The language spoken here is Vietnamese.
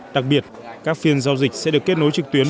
đặc biệt các phiên giao dịch sẽ được kết nối trực tuyến